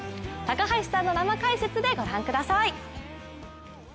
高橋さんの生解説でご覧ください。